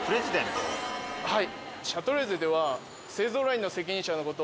はい。